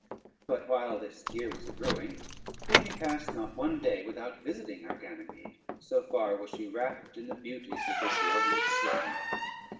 But while this gear was a brewing, Phoebe passed not one day without visiting her Ganymede, so far was she wrapped in the beauties of this lovely swain.